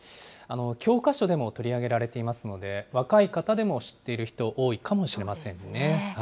教科書でも取り上げられていますので、若い方でも知っている人、多いかもしれませんね。